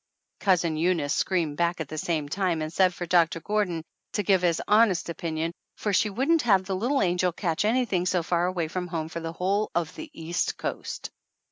Cousin Eunice screamed back at the same time and said for Doctor Gordon to give his honest opin 264 THE ANNALS OF ANN ion, for she wouldn't have the little angel catch anything so far away from home for the whole of the East coast.